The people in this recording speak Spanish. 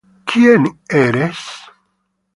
¿Quién eres?